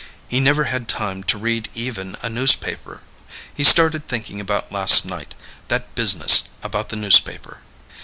He never had time to read even a newspaper. He started thinking about last night, that business about the newspaper.